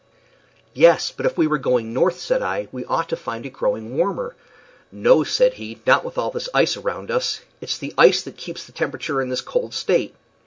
"Yes; but if we were going north," said I, "we ought to find it growing warmer." "No," said he, "not with all this ice around us. It's the ice that keeps the temperature in this cold state."